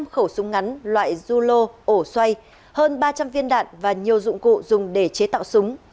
một mươi năm khẩu súng ngắn loại zulu ổ xoay hơn ba trăm linh viên đạn và nhiều dụng cụ dùng để chế tạo súng